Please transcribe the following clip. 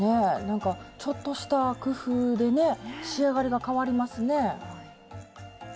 なんかちょっとした工夫でね仕上がりがかわりますね。